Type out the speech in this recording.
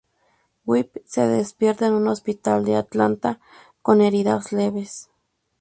Whip se despierta en un hospital de Atlanta con heridas leves.